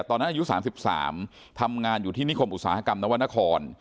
อายุ๓๓ทำงานอยู่ที่นิคมอุตสาหกรรมนวรรณคร